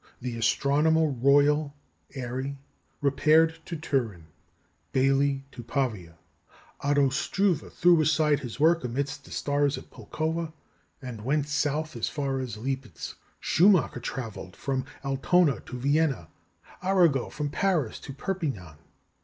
The Astronomer Royal (Airy) repaired to Turin; Baily to Pavia; Otto Struve threw aside his work amidst the stars at Pulkowa, and went south as far as Lipeszk; Schumacher travelled from Altona to Vienna; Arago from Paris to Perpignan.